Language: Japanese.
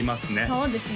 そうですね